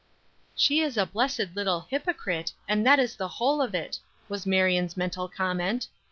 "She is a blessed little hypocrite, and that is the whole of it," was Marion's mental comment.